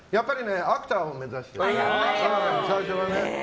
アクターを目指してた最初はね。